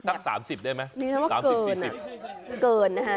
สัก๓๐ได้ไหม๓๐๔๐ดิฉันว่าเกินอ่ะเกินนะคะ